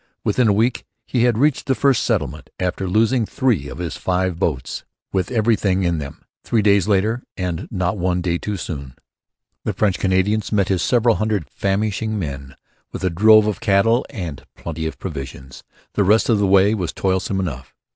Within a week he had reached the first settlement, after losing three of his five boats with everything in them. Three days later, and not one day too soon, the French Canadians met his seven hundred famishing men with a drove of cattle and plenty of provisions. The rest of the way was toilsome enough.